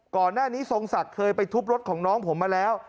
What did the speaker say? ก่อนหน้านี้ทรงศักดิ์เคยไปทุบรถของน้องผมมาแล้ว